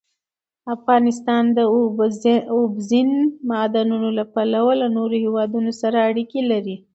افغانستان د اوبزین معدنونه له پلوه له نورو هېوادونو سره اړیکې لري.